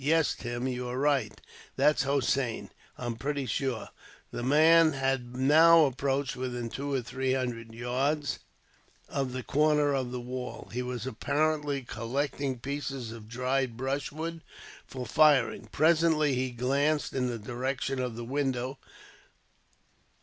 "Yes, Tim, you are right. That's Hossein, I'm pretty sure." The man had now approached within two or three hundred yards of the corner of the wall. He was apparently collecting pieces of dried brushwood, for firing. Presently, he glanced in the direction of the window.